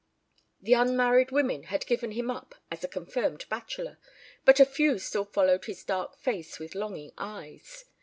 The unmarried women had given him up as a confirmed bachelor, but a few still followed his dark face with longing eyes.